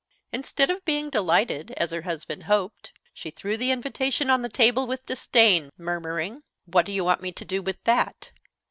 Instead of being delighted, as her husband hoped, she threw the invitation on the table with disdain, murmuring: "What do you want me to do with that?"